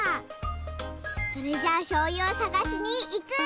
それじゃあしょうゆをさがしにいく。